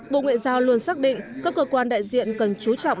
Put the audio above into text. bộ ngoại giao luôn xác định các cơ quan đại diện cần chú trọng